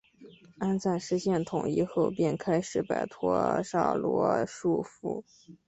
安赞实现统一后便开始摆脱暹罗的束缚。